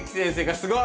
すごい！